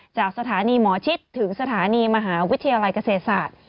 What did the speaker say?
จากสถานีหมอชิดถึงสถานีมหาวิทยาลัยเกษตรศาสตร์